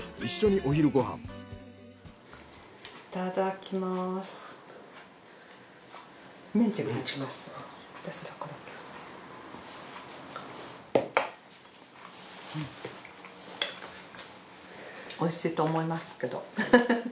おいしいと思いますけどフフフ。